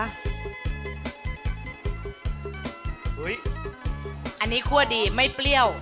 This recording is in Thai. อันนี้คั่วดีไม่เปรี้ยว